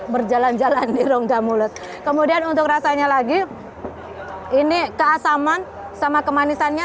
berjalan jalan di rongga mulut kemudian untuk rasanya lagi ini keasaman sama kemanisannya